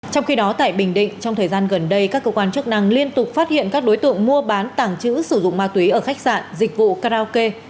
trong khi đó tại bình định trong thời gian gần đây các cơ quan chức năng liên tục phát hiện các đối tượng mua bán tàng trữ sử dụng ma túy ở khách sạn dịch vụ karaoke